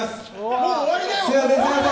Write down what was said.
もう終わりだよ。